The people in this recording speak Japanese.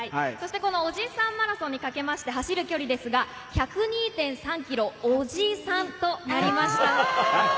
おじさんマラソンにかけまして、走る距離は１０２．３キロ、「おじさん」となりました。